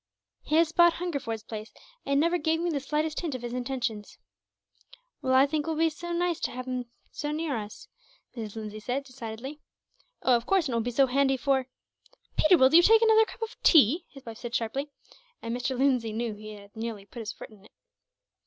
"He has bought Hungerford's place, and never gave me the slightest hint of his intentions." "Well, I think it will be very nice to have him so near us," Mrs. Lindsay said, decidedly. "Oh, of course, and it will be so handy for " "Peter, will you take another cup of tea?" his wife said, sharply; and Mr. Lindsay knew that he had nearly put his foot in it.